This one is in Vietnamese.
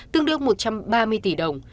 tương đương một trăm ba mươi tỷ đồng